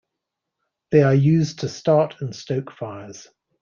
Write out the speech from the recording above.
They are used to start and stoke fires.